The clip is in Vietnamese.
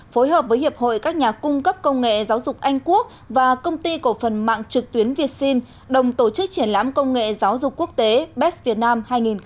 phối hợp với hiệp hội các nhà cung cấp công nghệ giáo dục anh quốc và công ty cổ phần mạng trực tuyến việt sinh đồng tổ chức triển lãm công nghệ giáo dục quốc tế best việt nam hai nghìn một mươi chín